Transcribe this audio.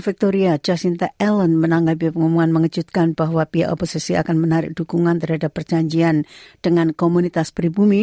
pemerintah pertama ini menanggapi pengumuman mengejutkan bahwa pihak oposisi akan menarik dukungan terhadap perjanjian dengan komunitas peribumi